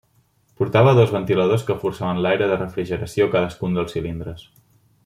Portava dos ventiladors que forçaven l'aire de refrigeració a cadascun dels cilindres.